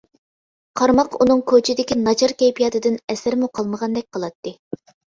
قارىماققا ئۇنىڭ كوچىدىكى ناچار كەيپىياتىدىن ئەسەرمۇ قالمىغاندەك قىلاتتى.